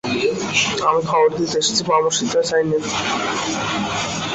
আমি খবর দিতে এসেছি, পরামর্শ দিতে চাই নে।